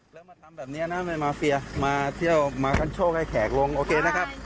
แล้วมาทำแบบเนี้ยนะมาเที่ยวมาให้แขกลงโอเคนะครับ